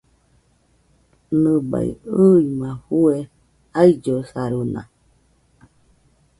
Nɨbaɨ ɨima fue aillosarona.